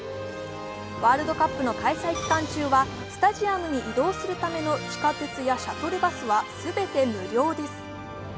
ワールドカップの開催期間中はスタジアムに移動するための地下鉄やシャトルバスは全て無料です。